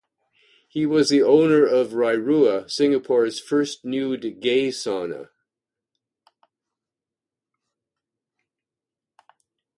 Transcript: He was the owner of "Rairua", Singapore's first nude gay sauna.